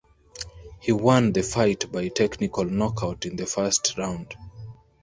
He won the fight by technical knockout in the first round.